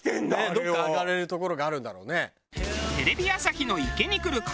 どこか上がれる所があるんだろうね。